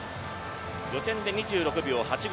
予選で２６秒８５。